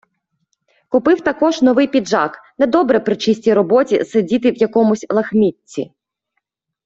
Купив також новий піджак, - недобре при чистій роботі сидіти в якомусь лахмітті.